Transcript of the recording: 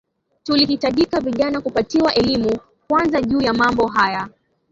Tulihitajika vijana kupatiwa elimu kwanza juu ya mambo haya